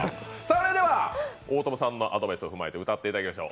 それでは大友さんのアドバイスを踏まえて歌っていただきましょう。